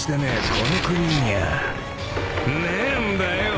この国にゃあねえんだよ。